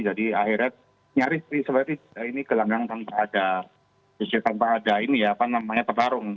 jadi akhirnya nyaris seperti ini gelanggang tanpa ada tanpa ada ini ya apa namanya pertarung